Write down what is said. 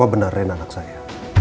apa benar rena anak saya